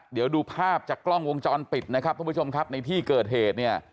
เดี๋ยวดูภาพจากกล้องวงจรปิดนะครับทุกผู้ชมครับในที่เกิดเหตุเนี่ย